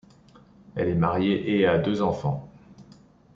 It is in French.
Elle est mariée et a deux enfants.